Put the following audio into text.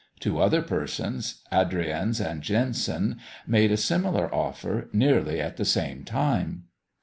Two other persons, Adrienz and Jansen, made a similar offer, nearly at the same time.